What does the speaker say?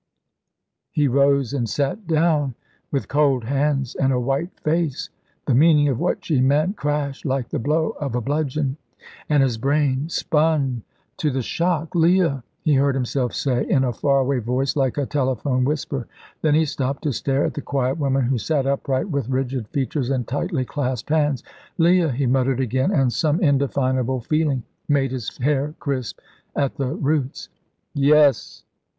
He rose and sat down, with cold hands and a white face. The meaning of what she meant crashed like the blow of a bludgeon, and his brain spun to the shock "Leah!" he heard himself say, in a far away voice like a telephone whisper. Then he stopped to stare at the quiet woman who sat upright, with rigid features and tightly clasped hands. "Leah," he muttered again, and some indefinable feeling made his hair crisp at the roots. "Yes!"